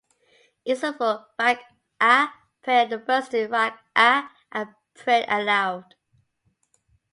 It is a four rak'ah prayer and the first two rak'ah are prayed aloud.